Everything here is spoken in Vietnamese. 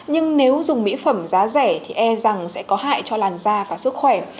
nhưng nếu dùng mỹ phẩm giá rẻ thì e rằng sẽ có hại cho làn da và sức khỏe